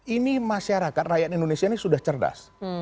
ini masyarakat rakyat indonesia ini sudah cerdas